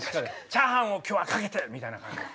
「チャーハンを今日は賭けて！」みたいな感じで。